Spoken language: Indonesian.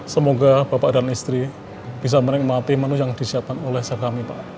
semoga bapak dan istri bisa menikmati menu yang disiapkan oleh sahabat kami pak